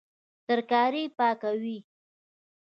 ترکاري پاکوي